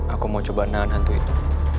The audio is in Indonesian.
aku mau coba nan hantu itu